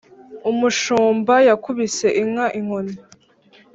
umushumba yakubise inka inkoni